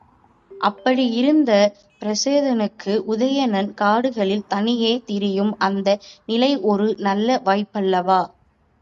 அப்படி இருந்த பிரச்சோதனனுக்கு உதயணன் காடுகளில் தனியே திரியும் இந்த நிலை ஒரு நல்ல வாய்ப்பல்லவா?